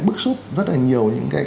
bức xúc rất là nhiều những cái